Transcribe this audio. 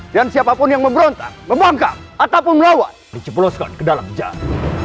dan siapapun yang memberontak membangkang ataupun melawat dicepuluskan ke dalam jalan